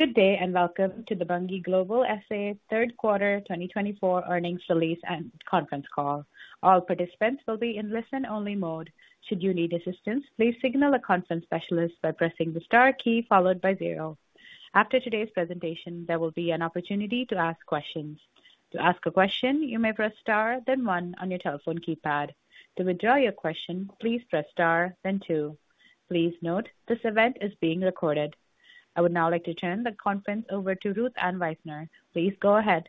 Good day and welcome to the Bunge Global SA third quarter 2024 earnings release and conference call. All participants will be in listen-only mode. Should you need assistance, please signal a conference specialist by pressing the star key followed by zero. After today's presentation, there will be an opportunity to ask questions. To ask a question, you may press star, then one on your telephone keypad. To withdraw your question, please press star, then two. Please note this event is being recorded. I would now like to turn the conference over to Ruth Ann Wisener. Please go ahead.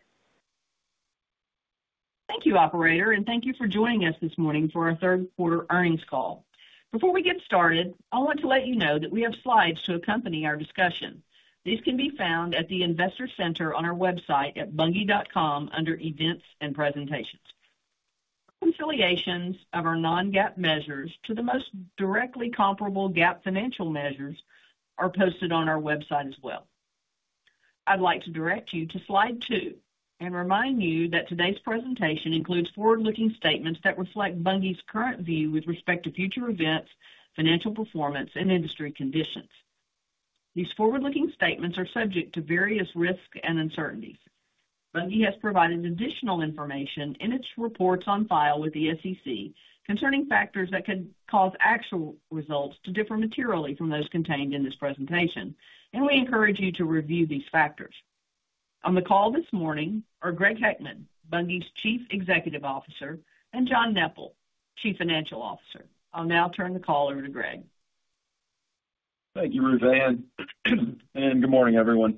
Thank you, Operator, and thank you for joining us this morning for our third quarter earnings call. Before we get started, I want to let you know that we have slides to accompany our discussion. These can be found at the Investor Center on our website at bunge.com under Events and Presentations. Reconciliations of our non-GAAP measures to the most directly comparable GAAP financial measures are posted on our website as well. I'd like to direct you to slide 2 and remind you that today's presentation includes forward-looking statements that reflect Bunge's current view with respect to future events, financial performance, and industry conditions. These forward-looking statements are subject to various risks and uncertainties. Bunge has provided additional information in its reports on file with the SEC concerning factors that could cause actual results to differ materially from those contained in this presentation, and we encourage you to review these factors. On the call this morning are Greg Heckman, Bunge's Chief Executive Officer, and John Neppl, Chief Financial Officer. I'll now turn the call over to Greg. Thank you, Ruth Ann, and good morning, everyone.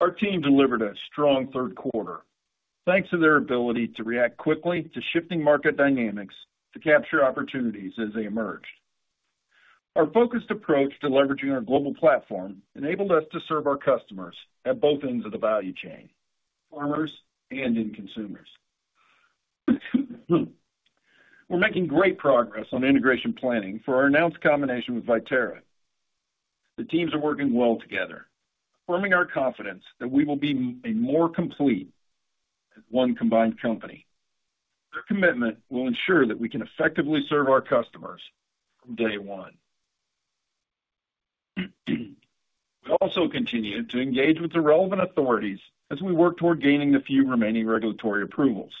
Our team delivered a strong third quarter thanks to their ability to react quickly to shifting market dynamics to capture opportunities as they emerged. Our focused approach to leveraging our global platform enabled us to serve our customers at both ends of the value chain: farmers and end consumers. We're making great progress on integration planning for our announced combination with Viterra. The teams are working well together, affirming our confidence that we will be a more complete one combined company. Their commitment will ensure that we can effectively serve our customers from day one. We also continue to engage with the relevant authorities as we work toward gaining the few remaining regulatory approvals.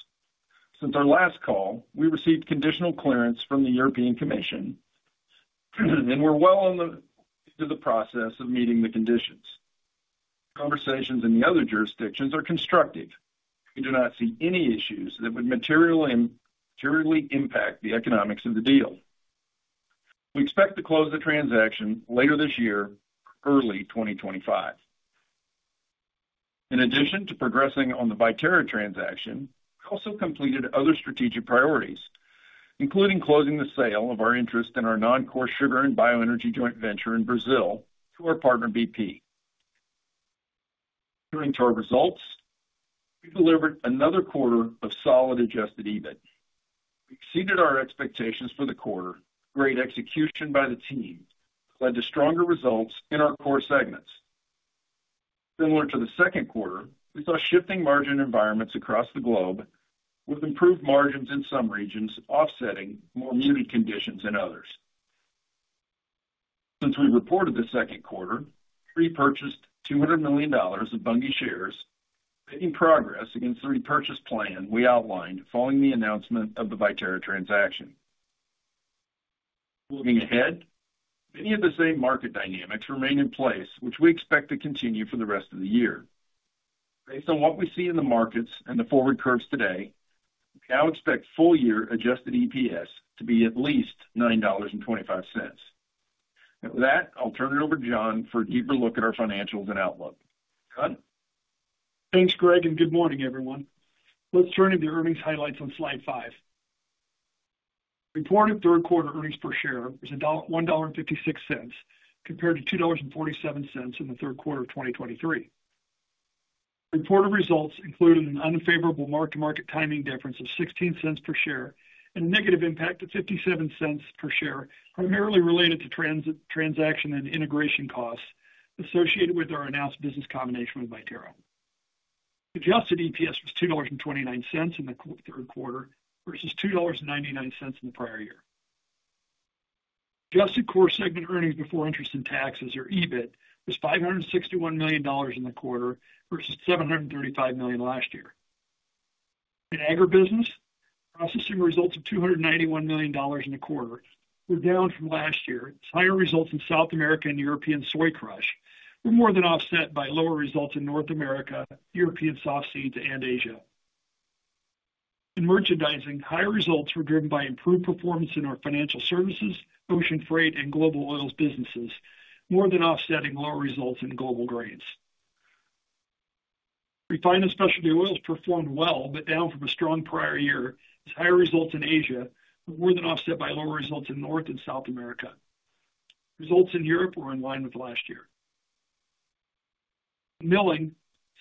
Since our last call, we received conditional clearance from the European Commission, and we're well into the process of meeting the conditions. Conversations in the other jurisdictions are constructive. We do not see any issues that would materially impact the economics of the deal. We expect to close the transaction later this year, early 2025. In addition to progressing on the Viterra transaction, we also completed other strategic priorities, including closing the sale of our interest in our non-core sugar and bioenergy joint venture in Brazil to our partner BP. According to our results, we delivered another quarter of solid Adjusted EBIT. We exceeded our expectations for the quarter. Great execution by the team led to stronger results in our core segments. Similar to the second quarter, we saw shifting margin environments across the globe with improved margins in some regions, offsetting more muted conditions in others. Since we reported the second quarter, we purchased $200 million of Bunge shares, making progress against the repurchase plan we outlined following the announcement of the Viterra transaction. Looking ahead, many of the same market dynamics remain in place, which we expect to continue for the rest of the year. Based on what we see in the markets and the forward curves today, we now expect full-year adjusted EPS to be at least $9.25. And with that, I'll turn it over to John for a deeper look at our financials and outlook. John? Thanks, Greg, and good morning, everyone. Let's turn to the earnings highlights on slide 5. Reported third quarter earnings per share is $1.56 compared to 2.47 in the third quarter of 2023. Reported results include an unfavorable mark-to-market timing difference of $0.16 per share and a negative impact of $0.57 per share, primarily related to transaction and integration costs associated with our announced business combination with Viterra. Adjusted EPS was $2.29 in the third quarter versus $2.99 in the prior year. Adjusted core segment earnings before interest and taxes, or EBIT, was $561 million in the quarter versus $735 million last year. In agribusiness, processing results of $291 million in the quarter were down from last year. Higher results in South America and European soy crush were more than offset by lower results in North America, European soft seeds, and Asia. In merchandising, higher results were driven by improved performance in our financial services, ocean freight, and global oils businesses, more than offsetting lower results in global grains. Refined specialty oils performed well but down from a strong prior year as higher results in Asia were more than offset by lower results in North and South America. Results in Europe were in line with last year. In milling,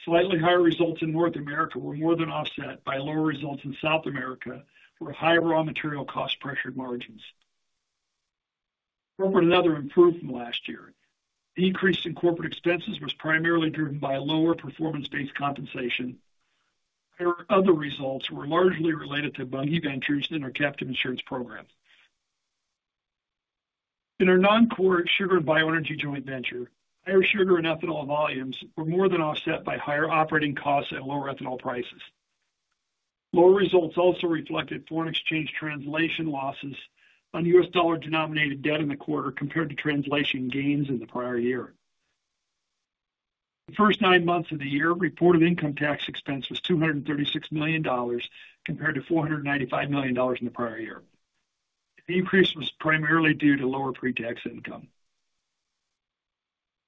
slightly higher results in North America were more than offset by lower results in South America as high raw material costs pressured margins. Corporate and other improved from last year. The increase in corporate expenses was primarily driven by lower performance-based compensation. Other results were largely related to Bunge Ventures and our captive insurance program. In our non-core sugar and bioenergy joint venture, higher sugar and ethanol volumes were more than offset by higher operating costs and lower ethanol prices. Lower results also reflected foreign exchange translation losses on U.S. dollar-denominated debt in the quarter compared to translation gains in the prior year. The first 9 months of the year, reported income tax expense was $236 million compared to 495 million in the prior year. The increase was primarily due to lower pre-tax income.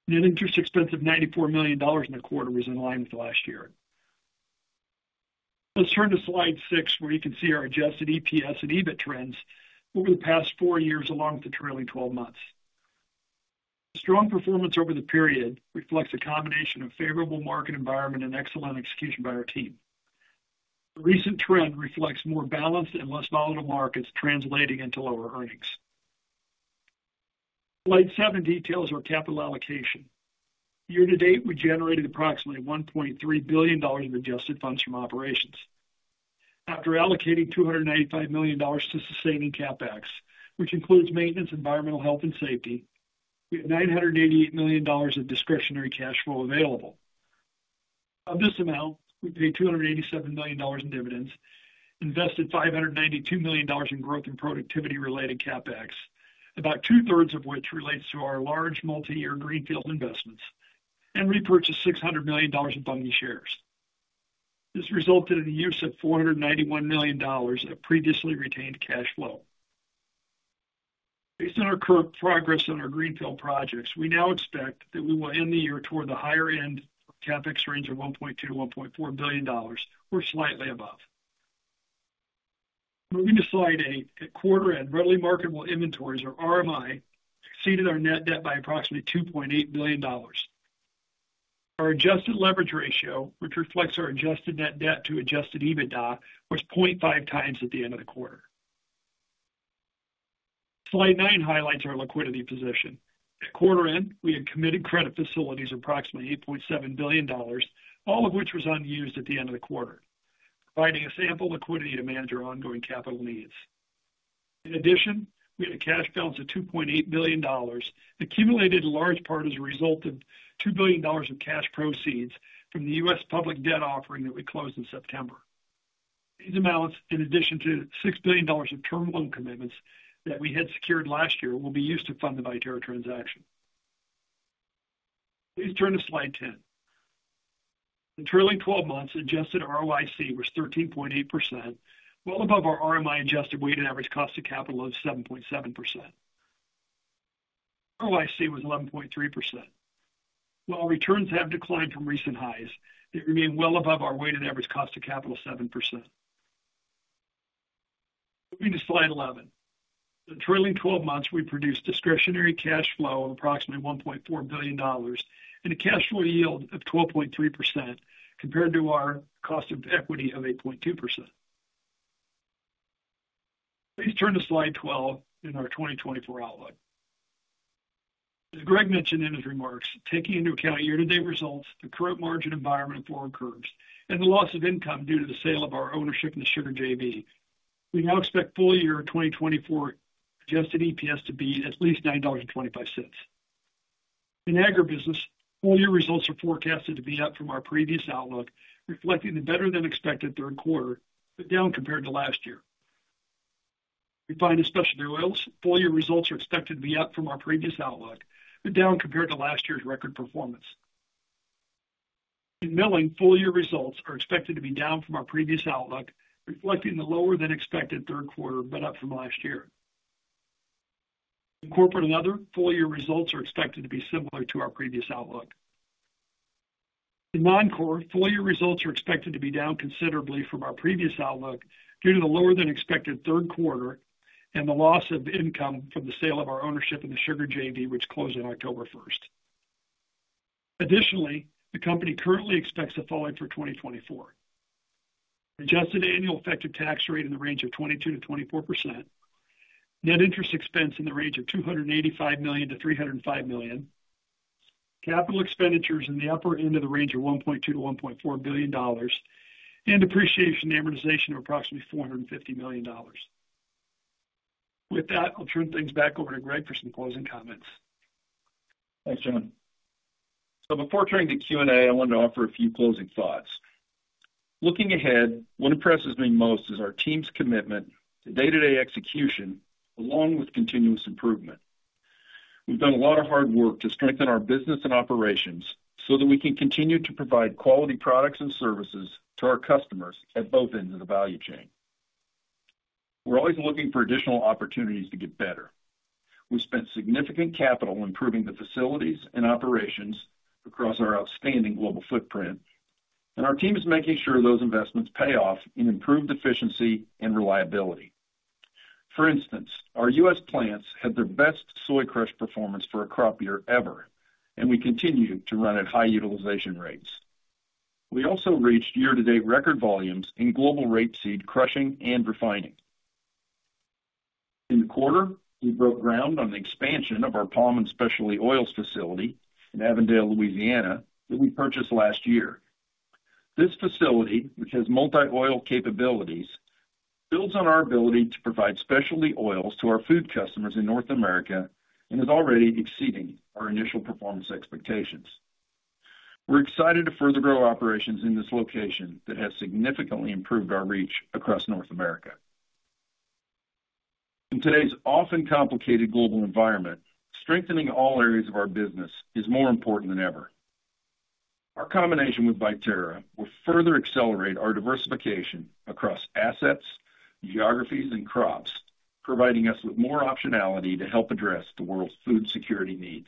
Net interest expense of $94 million in the quarter was in line with last year. Let's turn to slide 6, where you can see our adjusted EPS and EBIT trends over the past 4 years along with the trailing 12 months. Strong performance over the period reflects a combination of favorable market environment and excellent execution by our team. The recent trend reflects more balanced and less volatile markets translating into lower earnings. Slide seven details our capital allocation. Year to date, we generated approximately $1.3 billion in adjusted funds from operations. After allocating $295 million to sustaining CapEx, which includes maintenance, environmental health, and safety, we have $988 million of discretionary cash flow available. Of this amount, we paid $287 million in dividends, invested $592 million in growth and productivity-related CapEx, about two-thirds of which relates to our large multi-year greenfield investments, and repurchased $600 million in Bunge shares. This resulted in the use of $491 million of previously retained cash flow. Based on our current progress on our greenfield projects, we now expect that we will end the year toward the higher end of CapEx range of $1.2-1.4 billion, or slightly above. Moving to slide 8, at quarter-end, readily marketable inventories, or RMI, exceeded our net debt by approximately $2.8 billion. Our adjusted leverage ratio, which reflects our adjusted net debt to adjusted EBITDA, was 0.5 times at the end of the quarter. Slide nine highlights our liquidity position. At quarter-end, we had committed credit facilities of approximately $8.7 billion, all of which was unused at the end of the quarter, providing ample liquidity to manage our ongoing capital needs. In addition, we had a cash balance of $2.8 billion, accumulated in large part as a result of $2 billion of cash proceeds from the U.S. public debt offering that we closed in September. These amounts, in addition to $6 billion of term loan commitments that we had secured last year, will be used to fund the Viterra transaction. Please turn to slide 10. In trailing 12 months, adjusted ROIC was 13.8%, well above our RMI-adjusted weighted average cost of capital of 7.7%. ROIC was 11.3%. While returns have declined from recent highs, they remain well above our weighted average cost of capital of 7%. Moving to slide 11. In trailing 12 months, we produced discretionary cash flow of approximately $1.4 billion and a cash flow yield of 12.3% compared to our cost of equity of 8.2%. Please turn to slide 12 in our 2024 outlook. As Greg mentioned in his remarks, taking into account year-to-date results, the current margin environment forward curves, and the loss of income due to the sale of our ownership in the sugar JV, we now expect full-year 2024 adjusted EPS to be at least $9.25. In agribusiness, full-year results are forecasted to be up from our previous outlook, reflecting the better-than-expected third quarter, but down compared to last year. In refined and specialty oils, full-year results are expected to be up from our previous outlook, but down compared to last year's record performance. In milling, full-year results are expected to be down from our previous outlook, reflecting the lower-than-expected third quarter, but up from last year. In corporate and other, full-year results are expected to be similar to our previous outlook. In non-core, full-year results are expected to be down considerably from our previous outlook due to the lower-than-expected third quarter and the loss of income from the sale of our ownership in the sugar JV, which closed on October 1st. Additionally, the company currently expects to fall ahead for 2024. Adjusted annual effective tax rate in the range of 22%-24, net interest expense in the range of $285-305 million, capital expenditures in the upper end of the range of $1.2-1.4 billion, and depreciation and amortization of approximately $450 million. With that, I'll turn things back over to Greg for some closing comments. Thanks, John. So before turning to Q&A, I wanted to offer a few closing thoughts. Looking ahead, what impresses me most is our team's commitment to day-to-day execution along with continuous improvement. We've done a lot of hard work to strengthen our business and operations so that we can continue to provide quality products and services to our customers at both ends of the value chain. We're always looking for additional opportunities to get better. We've spent significant capital improving the facilities and operations across our outstanding global footprint, and our team is making sure those investments pay off in improved efficiency and reliability. For instance, our U.S. plants had their best soy crush performance for a crop year ever, and we continue to run at high utilization rates. We also reached year-to-date record volumes in global rapeseed crushing and refining. In the quarter, we broke ground on the expansion of our palm and specialty oils facility in Avondale, Louisiana, that we purchased last year. This facility, which has multi-oil capabilities, builds on our ability to provide specialty oils to our food customers in North America and is already exceeding our initial performance expectations. We're excited to further grow operations in this location that has significantly improved our reach across North America. In today's often complicated global environment, strengthening all areas of our business is more important than ever. Our combination with Viterra will further accelerate our diversification across assets, geographies, and crops, providing us with more optionality to help address the world's food security needs.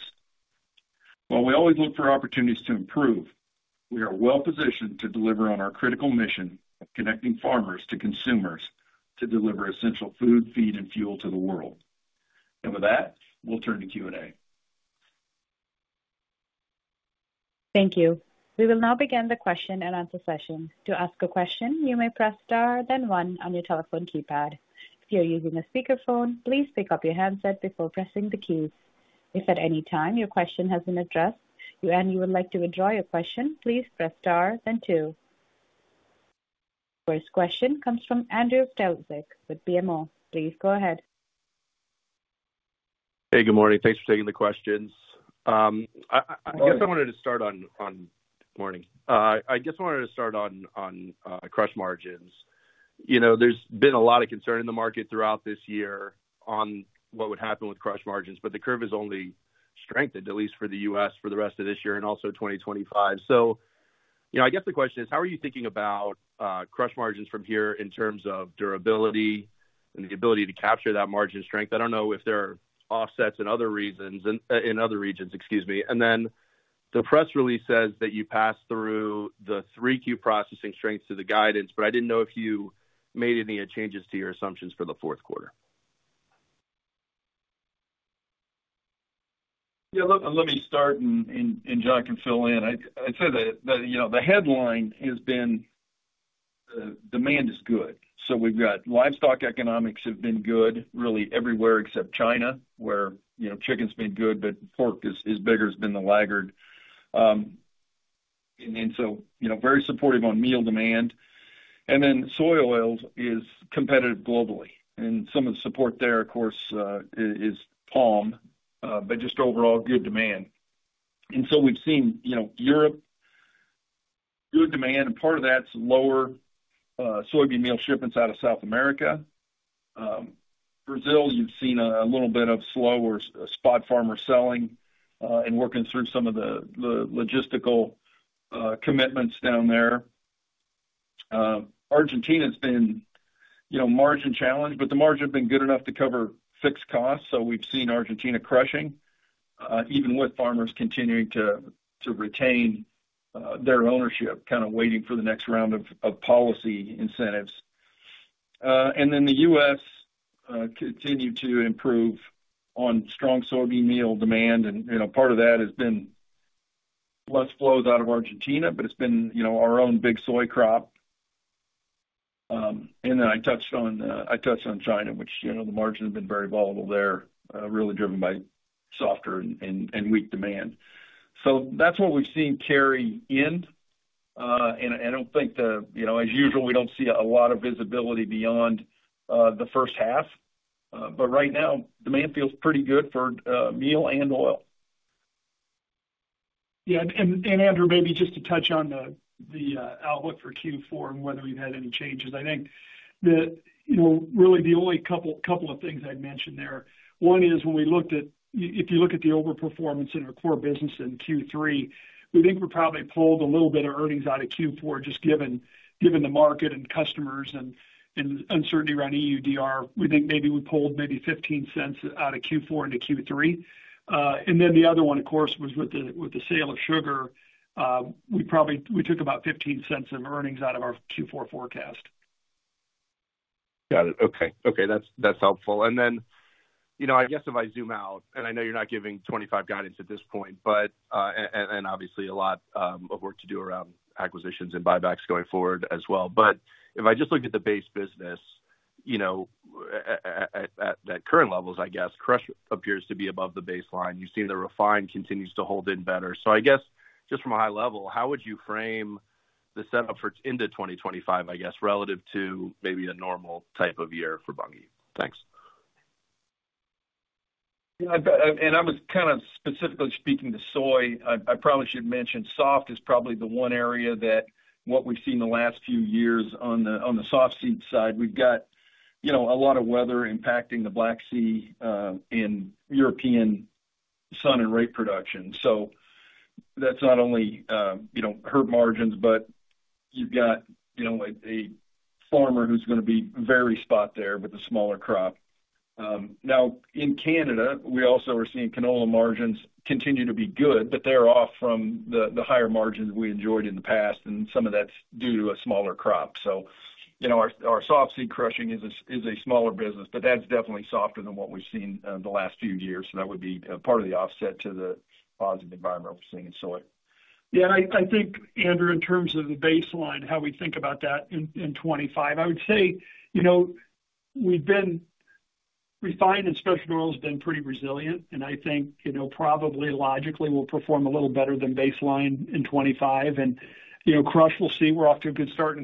While we always look for opportunities to improve, we are well-positioned to deliver on our critical mission of connecting farmers to consumers to deliver essential food, feed, and fuel to the world. With that, we'll turn to Q&A. Thank you. We will now begin the question and answer session. To ask a question, you may press star, then one on your telephone keypad. If you're using a speakerphone, please pick up your handset before pressing the keys. If at any time your question has been addressed and you would like to withdraw your question, please press star, then two. The first question comes from Andrew Strelzik with BMO. Please go ahead. Hey, good morning. Thanks for taking the questions. I guess I wanted to start on crush margins. There's been a lot of concern in the market throughout this year on what would happen with crush margins, but the curve has only strengthened, at least for the U.S., for the rest of this year and also 2025. So I guess the question is, how are you thinking about crush margins from here in terms of durability and the ability to capture that margin strength? I don't know if there are offsets in other regions, excuse me. And then the press release says that you passed through the 3Q processing strengths to the guidance, but I didn't know if you made any changes to your assumptions for the fourth quarter. Yeah, let me start, and John can fill in. I'd say that the headline has been demand is good. So we've got livestock economics have been good, really everywhere except China, where chicken's been good, but pork is bigger than the laggard. And so very supportive on meal demand. And then soy oil is competitive globally. And some of the support there, of course, is palm, but just overall good demand. And so we've seen Europe good demand, and part of that's lower soybean meal shipments out of South America. Brazil, you've seen a little bit of slower spot farmer selling and working through some of the logistical commitments down there. Argentina's been margin challenged, but the margin's been good enough to cover fixed costs. So we've seen Argentina crushing, even with farmers continuing to retain their ownership, kind of waiting for the next round of policy incentives. And then the U.S. continued to improve on strong soybean meal demand. And part of that has been less flows out of Argentina, but it's been our own big soy crop. And then I touched on China, which the margin has been very volatile there, really driven by softer and weak demand. So that's what we've seen carry in. And I don't think, as usual, we don't see a lot of visibility beyond the first half. But right now, demand feels pretty good for meal and oil. Yeah. And Andrew, maybe just to touch on the outlook for Q4 and whether we've had any changes. I think really the only couple of things I'd mentioned there, one is when we looked at, if you look at the overperformance in our core business in Q3, we think we probably pulled a little bit of earnings out of Q4, just given the market and customers and uncertainty around EUDR. We think maybe we pulled maybe $0.15 out of Q4 into Q3. And then the other one, of course, was with the sale of sugar. We took about $0.15 of earnings out of our Q4 forecast. Got it. Okay. Okay. That's helpful. And then I guess if I zoom out, and I know you're not giving 2025 guidance at this point, and obviously a lot of work to do around acquisitions and buybacks going forward as well. But if I just look at the base business at current levels, I guess crush appears to be above the baseline. You've seen the refined continues to hold in better. So I guess just from a high level, how would you frame the setup for into 2025, I guess, relative to maybe a normal type of year for Bunge? Thanks. And I was kind of specifically speaking to soy. I probably should mention softs is probably the one area that what we've seen the last few years on the soft seed side, we've got a lot of weather impacting the Black Sea and European sun and rape production. So that's not only soy margins, but you've got a farmer who's going to be very short there with a smaller crop. Now, in Canada, we also are seeing canola margins continue to be good, but they're off from the higher margins we enjoyed in the past. And some of that's due to a smaller crop. So our soft seed crushing is a smaller business, but that's definitely softer than what we've seen the last few years. So that would be part of the offset to the positive environment we're seeing in soy. Yeah. I think, Andrew, in terms of the baseline, how we think about that in 2025, I would say refining and specialty oils has been pretty resilient. I think probably logically we'll perform a little better than baseline in 2025. Crush, we'll see. We're off to a good start.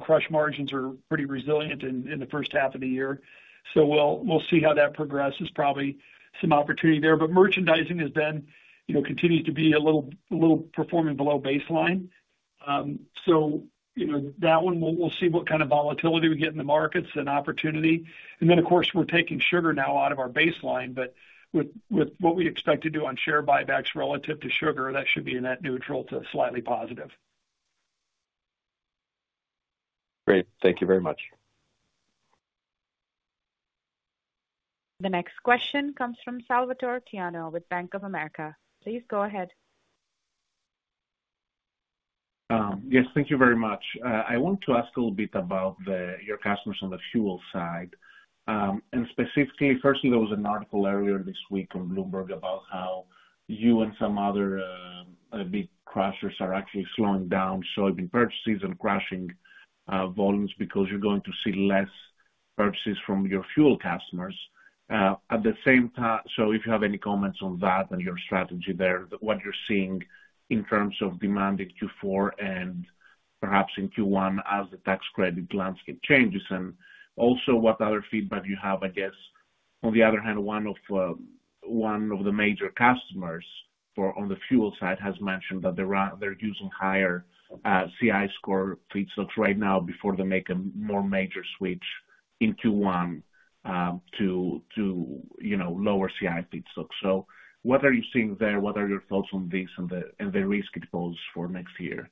Crush margins are pretty resilient in the first half of the year. We'll see how that progresses. Probably some opportunity there. Merchandising has continued to be performing a little below baseline. That one, we'll see what kind of volatility we get in the markets and opportunity. Of course, we're taking sugar now out of our baseline. With what we expect to do on share buybacks relative to sugar, that should be net neutral to slightly positive. Great. Thank you very much. The next question comes from Salvatore Tiano with Bank of America. Please go ahead. Yes. Thank you very much. I want to ask a little bit about your customers on the fuel side. And specifically, firstly, there was an article earlier this week on Bloomberg about how you and some other big crushers are actually slowing down soybean purchases and crushing volumes because you're going to see less purchases from your fuel customers. At the same time, so if you have any comments on that and your strategy there, what you're seeing in terms of demand in Q4 and perhaps in Q1 as the tax credit landscape changes, and also what other feedback you have, I guess. On the other hand, one of the major customers on the fuel side has mentioned that they're using higher CI score feedstocks right now before they make a more major switch in Q1 to lower CI score feedstocks. So what are you seeing there? What are your thoughts on this and the risk it poses for next year?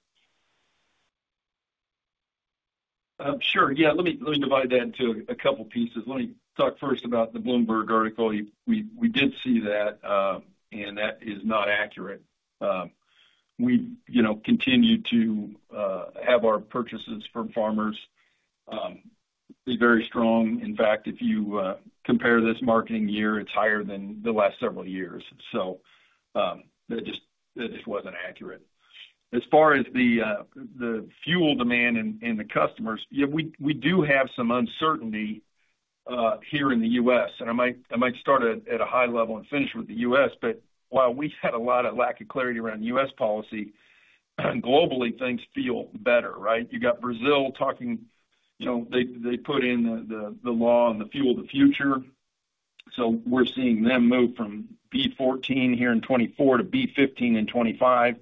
Sure. Yeah. Let me divide that into a couple of pieces. Let me talk first about the Bloomberg article. We did see that, and that is not accurate. We continue to have our purchases from farmers be very strong. In fact, if you compare this marketing year, it's higher than the last several years. So that just wasn't accurate. As far as the fuel demand and the customers, yeah, we do have some uncertainty here in the U.S. And I might start at a high level and finish with the U.S., but while we had a lot of lack of clarity around U.S. policy, globally, things feel better, right? You got Brazil talking. They put in the law on the Fuel of the Future. So we're seeing them move from B14 here in 2024 to B15 in 2025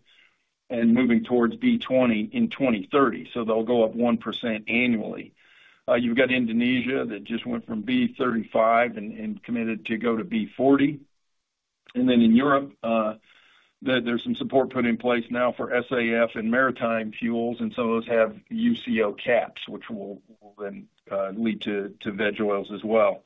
and moving towards B20 in 2030. So they'll go up 1% annually. You've got Indonesia that just went from B35 and committed to go to B40. And then in Europe, there's some support put in place now for SAF and maritime fuels. And some of those have UCO caps, which will then lead to veg oils as well.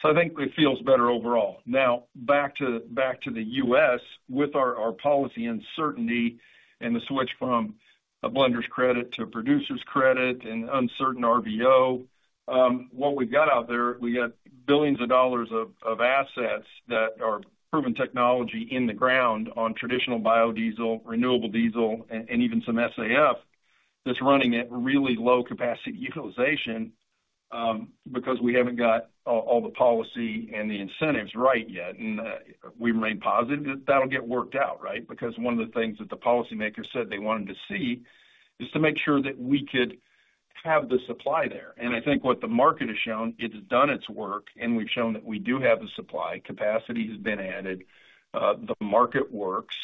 So I think it feels better overall. Now, back to the U.S., with our policy uncertainty and the switch from a blender's credit to a producer's credit and uncertain RVO, what we've got out there, we got billions of dollars of assets that are proven technology in the ground on traditional biodiesel, renewable diesel, and even some SAF that's running at really low capacity utilization because we haven't got all the policy and the incentives right yet. And we remain positive that that'll get worked out, right? Because one of the things that the policymakers said they wanted to see is to make sure that we could have the supply there. And I think what the market has shown, it's done its work, and we've shown that we do have the supply. Capacity has been added. The market works,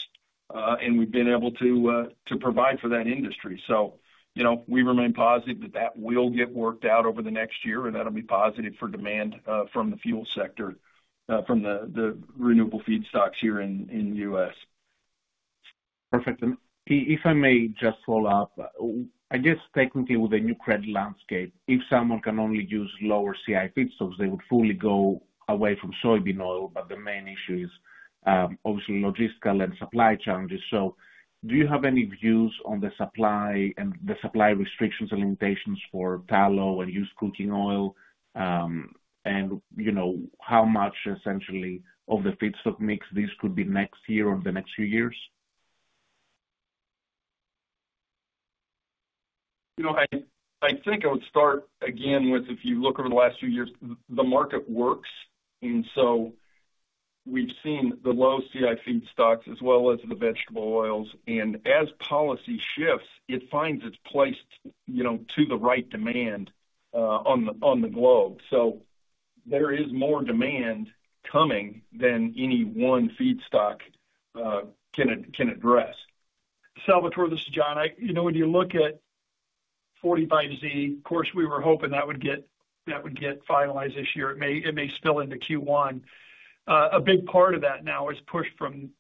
and we've been able to provide for that industry. So we remain positive that that will get worked out over the next year, and that'll be positive for demand from the fuel sector, from the renewable feedstocks here in the U.S. Perfect. And if I may just follow up, I guess technically with the new credit landscape, if someone can only use lower CI feedstocks, they would fully go away from soybean oil. But the main issue is obviously logistical and supply challenges. So do you have any views on the supply and the supply restrictions and limitations for tallow and used cooking oil and how much essentially of the feedstock mix this could be next year or the next few years? I think I would start again with, if you look over the last few years, the market works, and so we've seen the low CI feedstocks as well as the vegetable oils, and as policy shifts, it finds its place to the right demand on the globe, so there is more demand coming than any one feedstock can address. Salvator, this is John. When you look at 45Z, of course, we were hoping that would get finalized this year. It may spill into Q1. A big part of that now is push from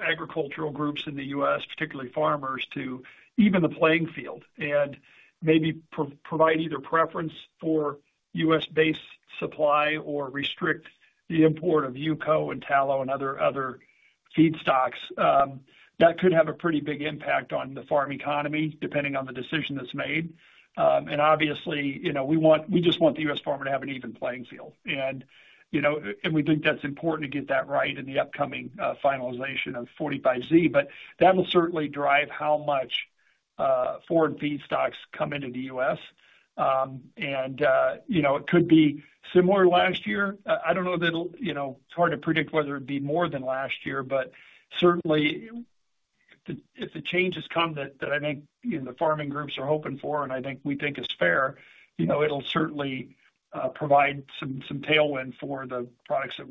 agricultural groups in the U.S., particularly farmers, to even the playing field and maybe provide either preference for U.S.-based supply or restrict the import of UCO and tallow and other feedstocks. That could have a pretty big impact on the farm economy, depending on the decision that's made. And obviously, we just want the U.S. farmer to have an even playing field. And we think that's important to get that right in the upcoming finalization of 45Z. But that will certainly drive how much foreign feedstocks come into the U.S. And it could be similar last year. I don't know that it's hard to predict whether it'd be more than last year, but certainly, if the change has come that I think the farming groups are hoping for and I think we think is fair, it'll certainly provide some tailwind for the products that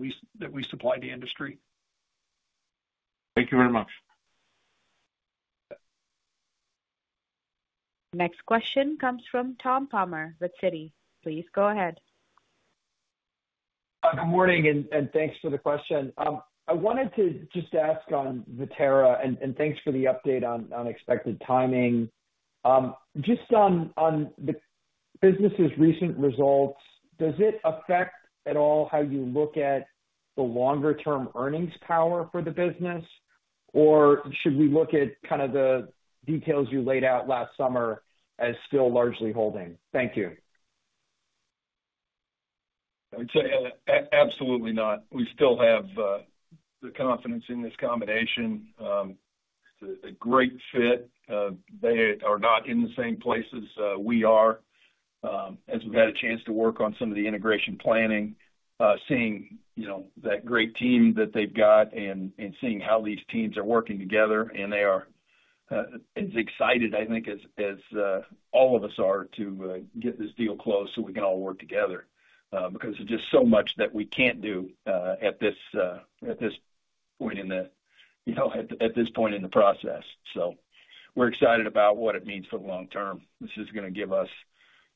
we supply the industry. Thank you very much. Next question comes from Tom Palmer with Citi. Please go ahead. Good morning, and thanks for the question. I wanted to just ask on Viterra, and thanks for the update on expected timing. Just on the business's recent results, does it affect at all how you look at the longer-term earnings power for the business, or should we look at kind of the details you laid out last summer as still largely holding? Thank you. I'd say absolutely not. We still have the confidence in this combination. It's a great fit. They are not in the same places we are. As we've had a chance to work on some of the integration planning, seeing that great team that they've got and seeing how these teams are working together, and they are as excited, I think, as all of us are to get this deal closed so we can all work together because there's just so much that we can't do at this point in the process. So we're excited about what it means for the long term. This is going to give us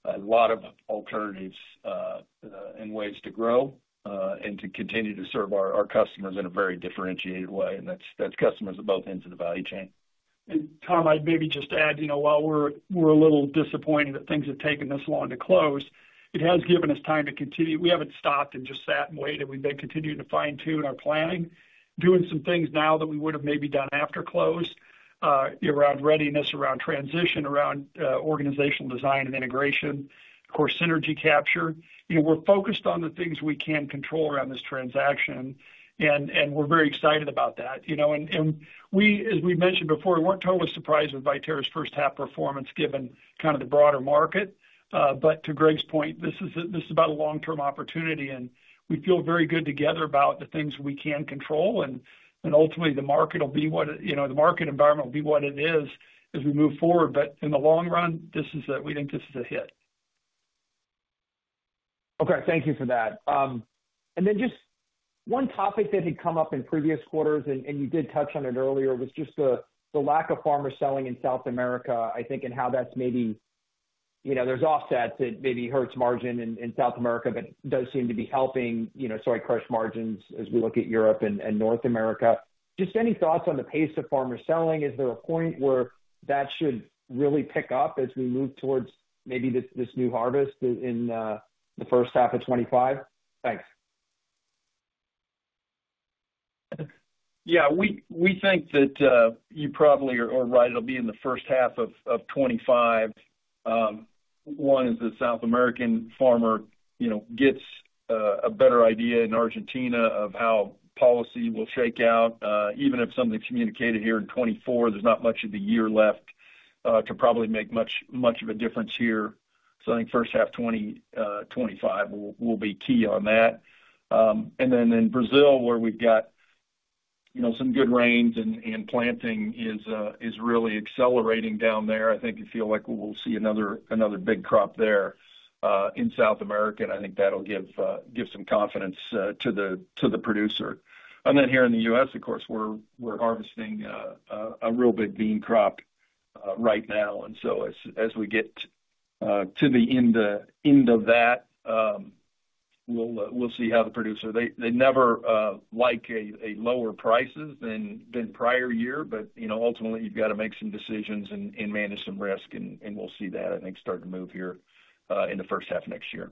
a lot of alternatives and ways to grow and to continue to serve our customers in a very differentiated way, and that's customers at both ends of the value chain. Tom, I'd maybe just add, while we're a little disappointed that things have taken this long to close, it has given us time to continue. We haven't stopped and just sat and waited. We've been continuing to fine-tune our planning, doing some things now that we would have maybe done after close, around readiness, around transition, around organizational design and integration, of course, synergy capture. We're focused on the things we can control around this transaction, and we're very excited about that. And as we mentioned before, we weren't totally surprised with Viterra's first half performance given kind of the broader market. But to Greg's point, this is about a long-term opportunity, and we feel very good together about the things we can control. And ultimately, the market environment will be what it is as we move forward. But in the long run, we think this is a hit. Okay. Thank you for that. And then just one topic that had come up in previous quarters, and you did touch on it earlier, was just the lack of farmer selling in South America, I think, and how that's maybe there's offset that maybe hurts margin in South America, but does seem to be helping soy crush margins as we look at Europe and North America. Just any thoughts on the pace of farmer selling? Is there a point where that should really pick up as we move towards maybe this new harvest in the first half of 2025? Thanks. Yeah. We think that you probably are right. It'll be in the first half of 2025. One is that South American farmer gets a better idea in Argentina of how policy will shake out. Even if something's communicated here in 2024, there's not much of the year left to probably make much of a difference here. So I think first half 2025 will be key on that, and then in Brazil, where we've got some good rains and planting is really accelerating down there, I think we feel like we'll see another big crop there in South America. And I think that'll give some confidence to the producer, and then here in the U.S., of course, we're harvesting a real big bean crop right now. And so as we get to the end of that, we'll see how the producer they never like lower prices than prior year. But ultimately, you've got to make some decisions and manage some risk. And we'll see that, I think, start to move here in the first half of next year.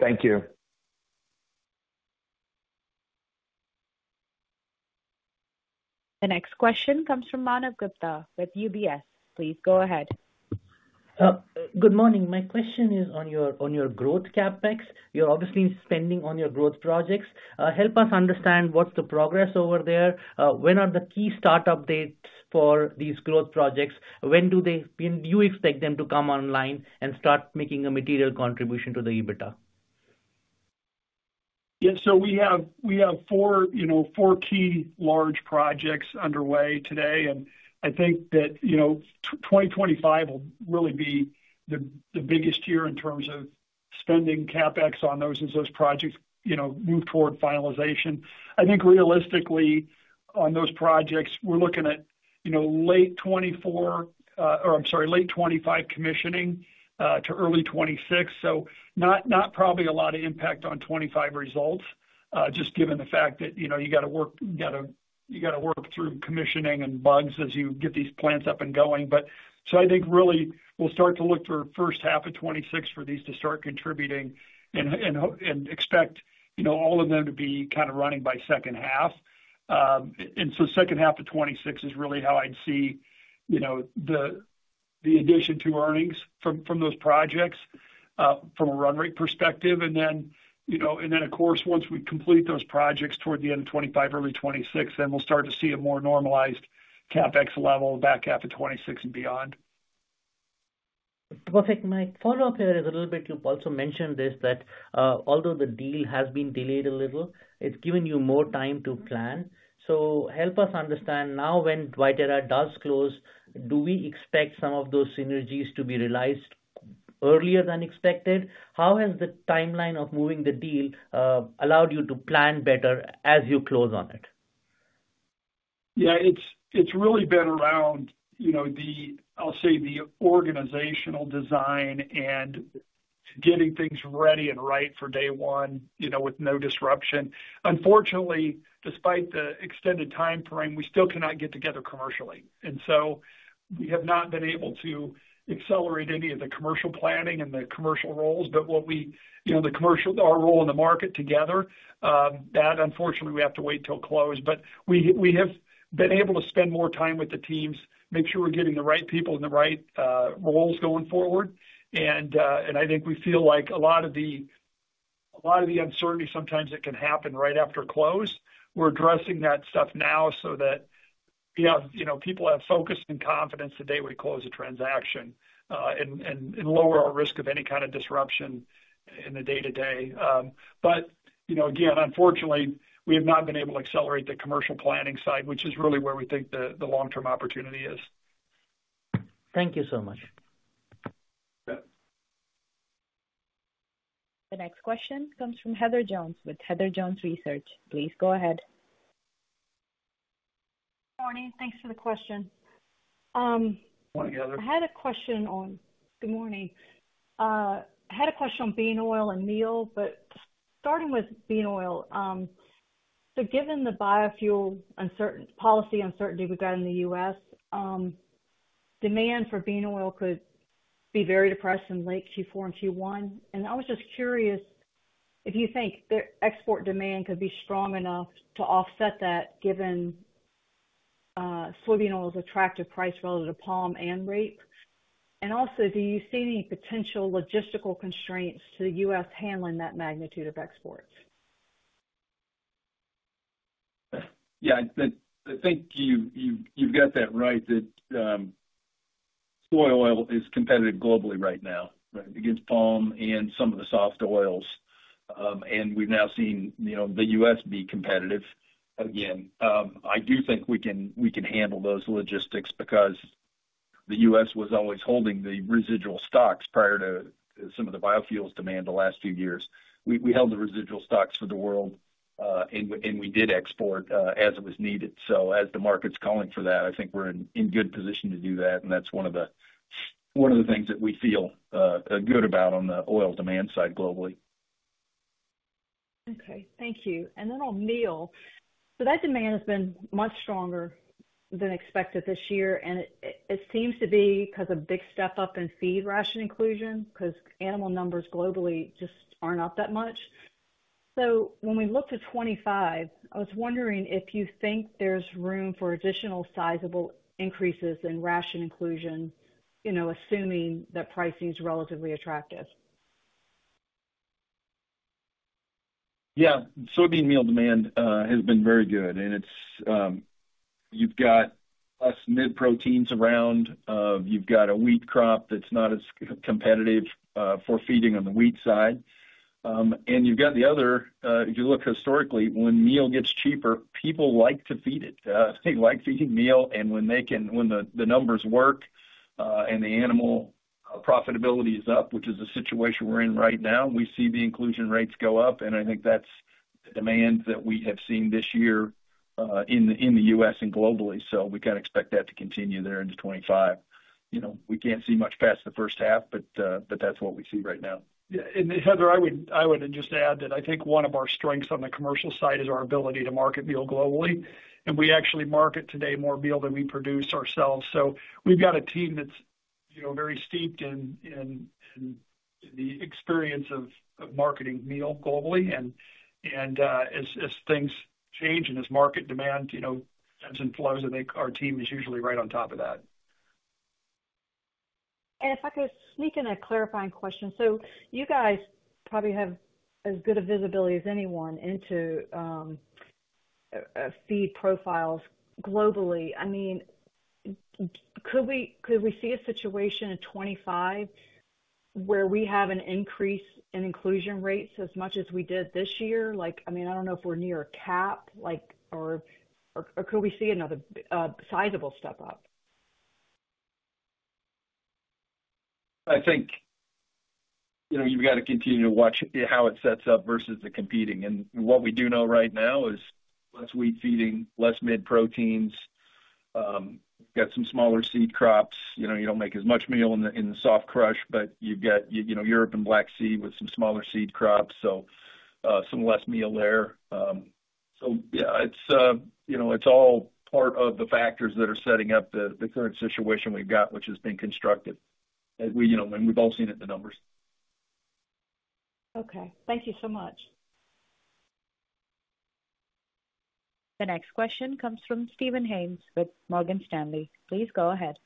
Thank you. The next question comes from Manav Gupta with UBS. Please go ahead. Good morning. My question is on your growth CapEx. You're obviously spending on your growth projects. Help us understand what's the progress over there. When are the key startup dates for these growth projects? When do you expect them to come online and start making a material contribution to the EBITDA? Yeah. So we have 4 key large projects underway today. And I think that 2025 will really be the biggest year in terms of spending CapEx on those as those projects move toward finalization. I think realistically, on those projects, we're looking at late 2024 or, I'm sorry, late 2025 commissioning to early 2026. So not probably a lot of impact on 2025 results, just given the fact that you got to work through commissioning and bugs as you get these plants up and going. But so I think really we'll start to look for first half of 2026 for these to start contributing and expect all of them to be kind of running by second half. And so second half of 2026 is really how I'd see the addition to earnings from those projects from a run rate perspective. Of course, once we complete those projects toward the end of 2025, early 2026, we'll start to see a more normalized CapEx level back half of 2026 and beyond. Perfect. My follow-up here is a little bit you've also mentioned this, that although the deal has been delayed a little, it's given you more time to plan. So help us understand now when Viterra does close, do we expect some of those synergies to be realized earlier than expected? How has the timeline of moving the deal allowed you to plan better as you close on it? Yeah. It's really been around, I'll say, the organizational design and getting things ready and right for day one with no disruption. Unfortunately, despite the extended time frame, we still cannot get together commercially. And so we have not been able to accelerate any of the commercial planning and the commercial roles. But what we the commercial our role in the market together, that unfortunately, we have to wait till close. But we have been able to spend more time with the teams, make sure we're getting the right people in the right roles going forward. And I think we feel like a lot of the uncertainty sometimes that can happen right after close, we're addressing that stuff now so that people have focus and confidence the day we close a transaction and lower our risk of any kind of disruption in the day-to-day. But again, unfortunately, we have not been able to accelerate the commercial planning side, which is really where we think the long-term opportunity is. Thank you so much. Okay. The next question comes from Heather Jones with Heather Jones Research. Please go ahead. Good morning. Thanks for the question. Morning, Heather. Good morning. I had a question on bean oil and meal, but starting with bean oil. So given the biofuel policy uncertainty we've got in the U.S., demand for bean oil could be very depressed in late Q4 and Q1. And I was just curious if you think the export demand could be strong enough to offset that given soybean oil's attractive price relative to palm and rape. And also, do you see any potential logistical constraints to the U.S. handling that magnitude of exports? Yeah. I think you've got that right that soy oil is competitive globally right now, right, against palm and some of the soft oils, and we've now seen the U.S. be competitive again. I do think we can handle those logistics because the U.S. was always holding the residual stocks prior to some of the biofuels demand the last few years. We held the residual stocks for the world, and we did export as it was needed, so as the market's calling for that, I think we're in good position to do that, and that's one of the things that we feel good about on the oil demand side globally. Okay. Thank you. And then on meal. So that demand has been much stronger than expected this year. And it seems to be because of big step up in feed ration inclusion because animal numbers globally just aren't up that much. So when we look to 2025, I was wondering if you think there's room for additional sizable increases in ration inclusion, assuming that pricing is relatively attractive. Yeah. Soybean meal demand has been very good. And you've got less mid-proteins around. You've got a wheat crop that's not as competitive for feeding on the wheat side. And you've got the other if you look historically, when meal gets cheaper, people like to feed it. They like feeding meal. And when the numbers work and the animal profitability is up, which is the situation we're in right now, we see the inclusion rates go up. And I think that's the demand that we have seen this year in the U.S. and globally. So we kind of expect that to continue there into 2025. We can't see much past the first half, but that's what we see right now. Yeah. And Heather, I would just add that I think one of our strengths on the commercial side is our ability to market meal globally. And we actually market today more meal than we produce ourselves. So we've got a team that's very steeped in the experience of marketing meal globally. And as things change and as market demand ebbs and flows, I think our team is usually right on top of that. And if I could sneak in a clarifying question. So you guys probably have as good a visibility as anyone into feed profiles globally. I mean, could we see a situation in 2025 where we have an increase in inclusion rates as much as we did this year? I mean, I don't know if we're near a cap, or could we see another sizable step up? I think you've got to continue to watch how it sets up versus the competing. And what we do know right now is less wheat feeding, less mid-proteins. You've got some smaller seed crops. You don't make as much meal in the soft crush, but you've got Europe and Black Sea with some smaller seed crops, so some less meal there. So yeah, it's all part of the factors that are setting up the current situation we've got, which has been constructive. And we've all seen it in the numbers. Okay. Thank you so much. The next question comes from Steven Haynes with Morgan Stanley. Please go ahead.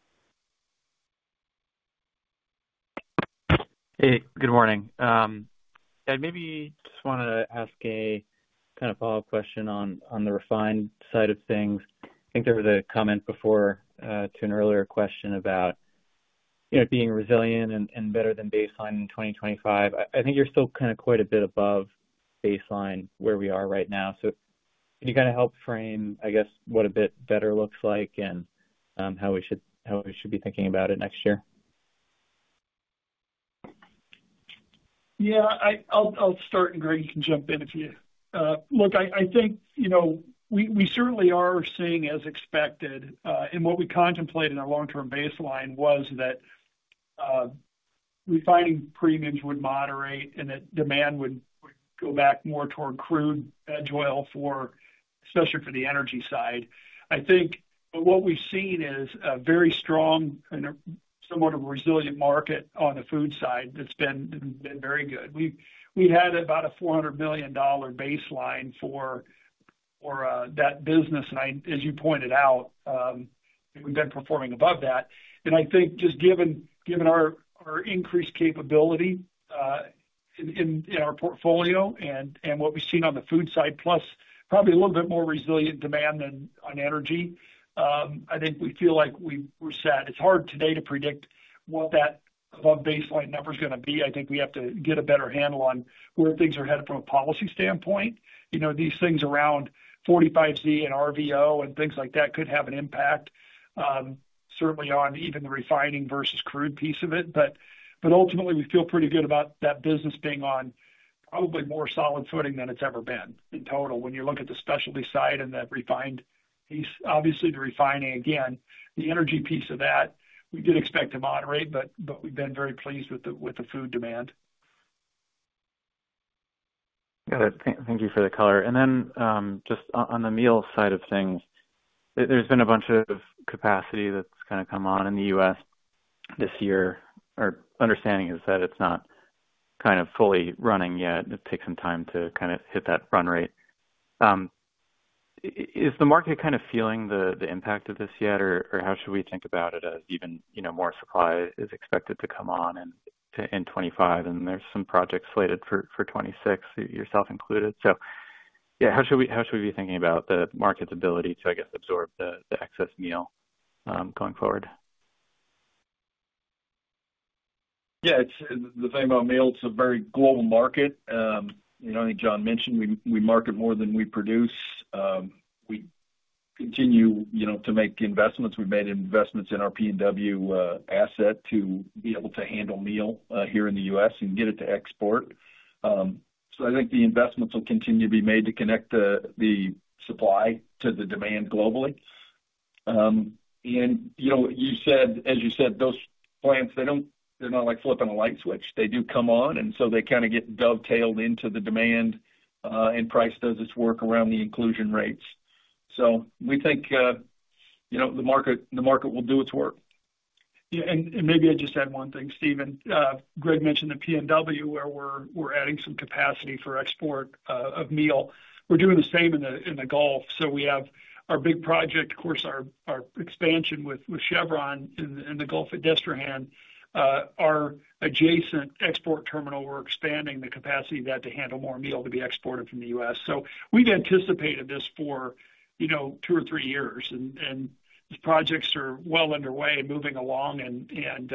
Hey, good morning. I maybe just want to ask a kind of follow-up question on the refined side of things. I think there was a comment before to an earlier question about being resilient and better than baseline in 2025. I think you're still kind of quite a bit above baseline where we are right now. So can you kind of help frame, I guess, what a bit better looks like and how we should be thinking about it next year? Yeah. I'll start, and Greg can jump in if you like. I think we certainly are seeing as expected. And what we contemplated in our long-term baseline was that refining premiums would moderate and that demand would go back more toward crude veg oil, especially for the energy side. I think what we've seen is a very strong and somewhat of a resilient market on the food side that's been very good. We had about a $400 million baseline for that business. And as you pointed out, we've been performing above that. And I think just given our increased capability in our portfolio and what we've seen on the food side, plus probably a little bit more resilient demand on energy, I think we feel like we're set. It's hard today to predict what that above baseline number is going to be. I think we have to get a better handle on where things are headed from a policy standpoint. These things around 45Z and RVO and things like that could have an impact, certainly on even the refining versus crude piece of it. But ultimately, we feel pretty good about that business being on probably more solid footing than it's ever been in total when you look at the specialty side and the refined piece. Obviously, the refining, again, the energy piece of that, we did expect to moderate, but we've been very pleased with the food demand. Got it. Thank you for the color. And then just on the meal side of things, there's been a bunch of capacity that's kind of come on in the U.S. this year. Our understanding is that it's not kind of fully running yet. It takes some time to kind of hit that run rate. Is the market kind of feeling the impact of this yet, or how should we think about it as even more supply is expected to come on in 2025? And there's some projects slated for 2026, yourself included. So yeah, how should we be thinking about the market's ability to, I guess, absorb the excess meal going forward? Yeah. The thing about meal, it's a very global market. I think John mentioned we market more than we produce. We continue to make investments. We've made investments in our PNW asset to be able to handle meal here in the U.S. and get it to export, so I think the investments will continue to be made to connect the supply to the demand globally. And as you said, those plants, they're not like flipping a light switch. They do come on, and so they kind of get dovetailed into the demand, and price does its work around the inclusion rates, so we think the market will do its work. Yeah. And maybe I just add one thing, Steven. Greg mentioned the PNW, where we're adding some capacity for export of meal. We're doing the same in the Gulf. So we have our big project, of course, our expansion with Chevron in the Gulf at Destrehan. Our adjacent export terminal, we're expanding the capacity of that to handle more meal to be exported from the U.S. So we've anticipated this for 2 or 3 years. And these projects are well underway and moving along. And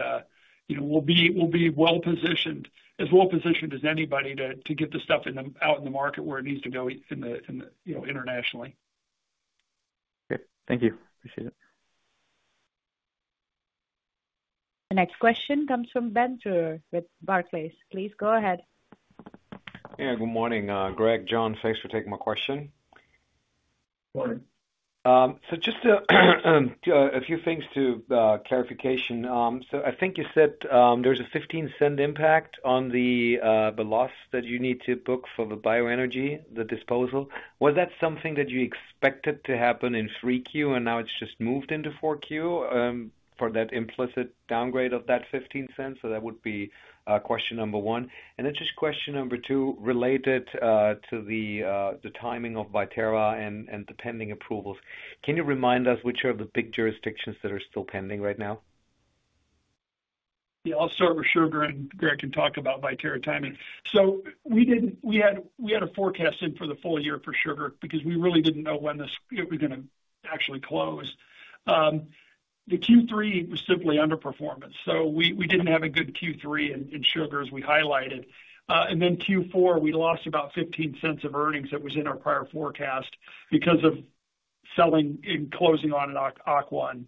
we'll be well-positioned, as well-positioned as anybody, to get the stuff out in the market where it needs to go internationally. Great. Thank you. Appreciate it. The next question comes from Ben with Barclays. Please go ahead. Hey, good morning. Greg, John, thanks for taking my question. Morning. Just a few things for clarification. I think you said there's a $0.15 impact on the loss that you need to book for the bioenergy disposal. Was that something that you expected to happen in 3Q, and now it's just moved into 4Q for that implicit downgrade of that $0.15? That would be question number one. Then just question number 2, related to the timing of Viterra and the pending approvals, can you remind us which are the big jurisdictions that are still pending right now? Yeah. I'll start with sugar, and Greg can talk about Viterra timing. So we had a forecast in for the full year for sugar because we really didn't know when it was going to actually close. The Q3 was simply underperformance. So we didn't have a good Q3 in sugar, as we highlighted. And then Q4, we lost about $0.15 of earnings that was in our prior forecast because of selling and closing on an acquisition.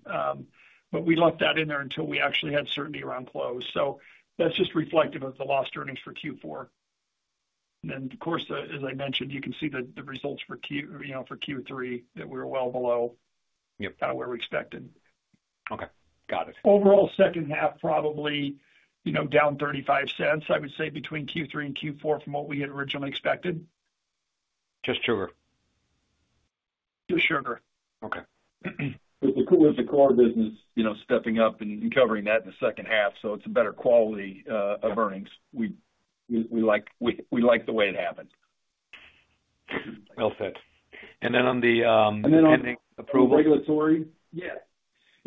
But we left that in there until we actually had certainty around close. So that's just reflective of the lost earnings for Q4. And then, of course, as I mentioned, you can see the results for Q3 that we were well below kind of where we expected. Okay. Got it. Overall second half, probably down $0.35, I would say, between Q3 and Q4 from what we had originally expected. Just sugar. Just sugar. Okay. With the core business stepping up and covering that in the second half, so it's a better quality of earnings. We like the way it happened. Well said. And then on the pending approval. And then, on the regulatory. Yeah.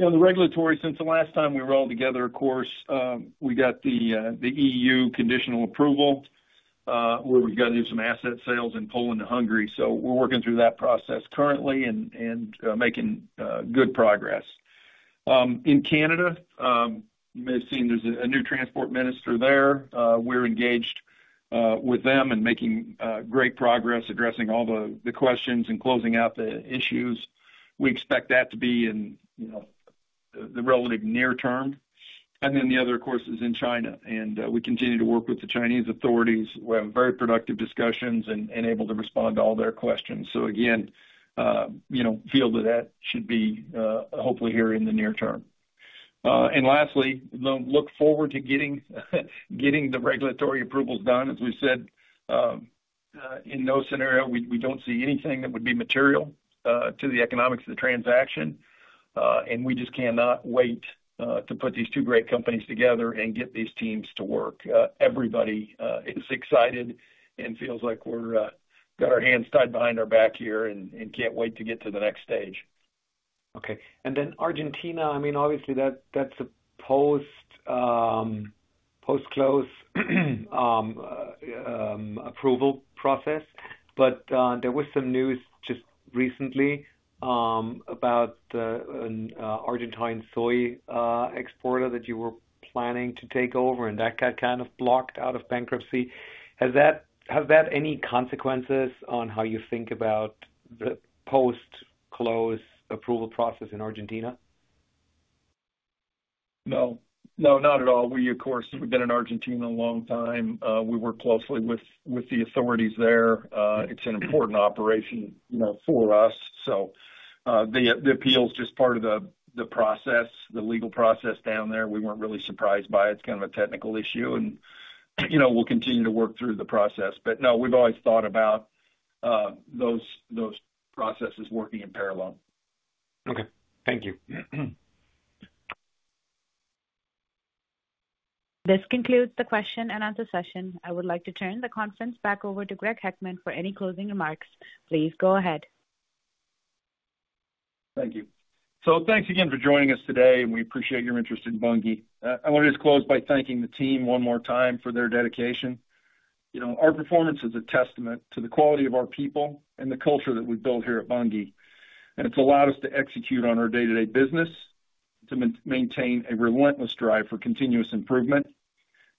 Yeah. On the regulatory, since the last time we were all together, of course, we got the EU conditional approval where we've got to do some asset sales and pull out of Hungary. So we're working through that process currently and making good progress. In Canada, you may have seen there's a new transport minister there. We're engaged with them and making great progress, addressing all the questions and closing out the issues. We expect that to be in the relative near term. And then the other, of course, is in China. And we continue to work with the Chinese authorities. We have very productive discussions and are able to respond to all their questions. So again, we feel that should be hopefully here in the near term. And lastly, look forward to getting the regulatory approvals done. As we said, in no scenario, we don't see anything that would be material to the economics of the transaction, and we just cannot wait to put these 2 great companies together and get these teams to work. Everybody is excited and feels like we've got our hands tied behind our back here and can't wait to get to the next stage. Okay, and then Argentina, I mean, obviously, that's a post-close approval process, but there was some news just recently about an Argentine soy exporter that you were planning to take over, and that got kind of blocked out of bankruptcy. Has that any consequences on how you think about the post-close approval process in Argentina? No. No, not at all. We, of course, we've been in Argentina a long time. We work closely with the authorities there. It's an important operation for us. So the appeal is just part of the process, the legal process down there. We weren't really surprised by it. It's kind of a technical issue, and we'll continue to work through the process, but no, we've always thought about those processes working in parallel. Okay. Thank you. This concludes the question and answer session. I would like to turn the conference back over to Greg Heckman for any closing remarks. Please go ahead. Thank you, so thanks again for joining us today, and we appreciate your interest in Bunge. I want to just close by thanking the team one more time for their dedication. Our performance is a testament to the quality of our people and the culture that we've built here at Bunge, and it's allowed us to execute on our day-to-day business, to maintain a relentless drive for continuous improvement,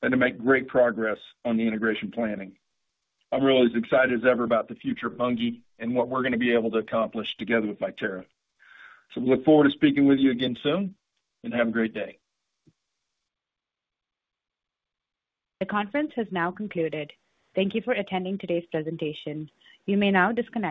and to make great progress on the integration planning. I'm really as excited as ever about the future of Bunge and what we're going to be able to accomplish together with Viterra, so we look forward to speaking with you again soon, and have a great day. The conference has now concluded. Thank you for attending today's presentation. You may now disconnect.